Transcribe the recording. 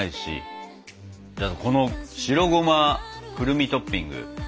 じゃあこの白ゴマくるみトッピング。